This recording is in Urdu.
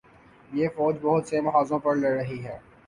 یہ فوج بہت سے محاذوںپر لڑ رہی ہے۔